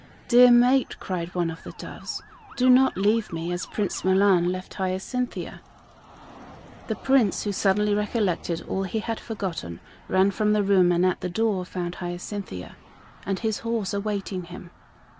"Dear mate," cried one of the doves, "do not leave me as Prince Milan left Hyacinthia." The Prince, who suddenly recollected all he had forgotten, ran from the room and at the door found Hyacinthia and his horse awaiting him.